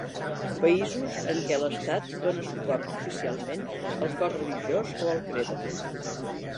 Països en què l'estat dóna suport oficialment al cos religiós o al credo.